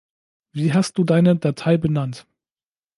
Wie hast du deine Datei benannt?